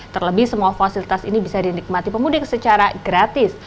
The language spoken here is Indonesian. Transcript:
terlebih semua fasilitas ini bisa dinikmati pemudik secara gratis